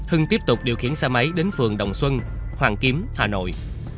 hưng tiếp tục điều khiển xe máy đến phường đồng xuân hoàng kiếm hà nội